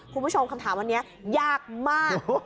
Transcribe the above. คุณผู้ชมคำถามวันนี้ยากมาก